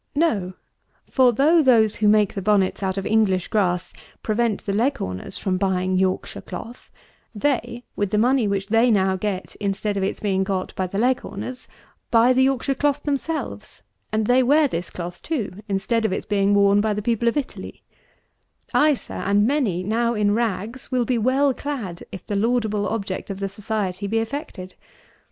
No: for though those who make the bonnets out of English grass, prevent the Leghorners from buying Yorkshire cloth, they, with the money which they now get, instead of its being got by the Leghorners, buy the Yorkshire cloth themselves; and they wear this cloth too, instead of its being worn by the people of Italy; ay, Sir, and many, now in rags, will be well clad, if the laudable object of the Society be effected.